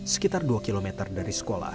sekitar dua km dari sekolah